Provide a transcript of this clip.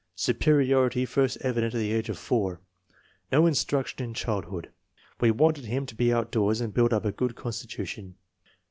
Superiority first evident at the age of 4. No instruction in child hood. " We wanted him to be outdoors and build up a good constitution."